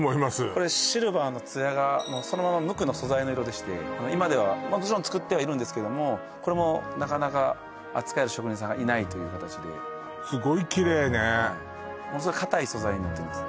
これシルバーの艶がもうそのまま無垢の素材の色でして今ではもちろん作ってはいるんですけどもこれもなかなか扱える職人さんがいないという形ですごいキレイねはいものすごい硬い素材になってます